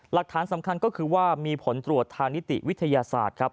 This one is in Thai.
หลักฐานสำคัญก็คือว่ามีผลตรวจทางนิติวิทยาศาสตร์ครับ